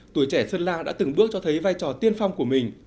tuổi trẻ sơn la đã từng bước cho thấy vai trò tiên phong của mình